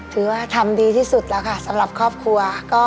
ถือว่าทำดีที่สุดแล้วค่ะสำหรับครอบครัว